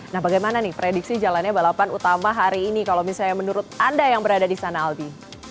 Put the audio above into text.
nah bagaimana nih prediksi jalannya balapan utama hari ini kalau misalnya menurut anda yang berada di sana albi